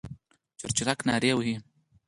چرچرک نارې وهلې.